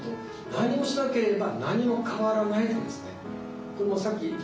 何もしなければ何も変わらないということですね。